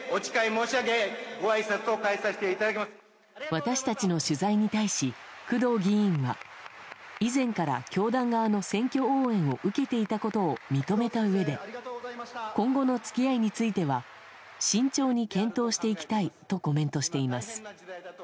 私たちの取材に対し工藤議員は以前から、教団側の選挙応援を受けていたことを認めたうえで今後の付き合いについては慎重に検討していきたいとコメントしています。